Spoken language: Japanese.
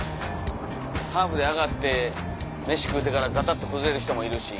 ハーフで上がって飯食うてからがたっと崩れる人もいるし。